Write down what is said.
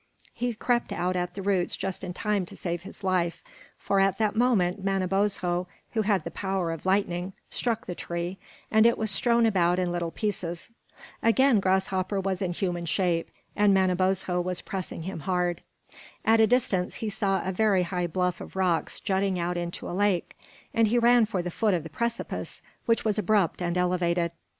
He crept out at the roots just in time to save his life, for at that moment Manabozho, who had the power of lightning, struck the tree, and it was strewn about in little pieces. Again Grasshopper was in human shape, and Manabozho was pressing him hard. At a distance he saw a very high bluff of rocks jutting out into a lake, and he ran for the foot of the precipice, which was abrupt and elevated.